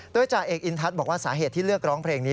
โดยจ่าเอกอินทัศน์บอกว่าสาเหตุที่เลือกร้องเพลงนี้